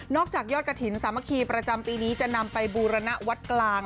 จากยอดกระถิ่นสามัคคีประจำปีนี้จะนำไปบูรณวัดกลาง